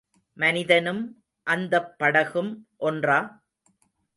மனிதனும் அந்தப் படகும் ஒன்றா?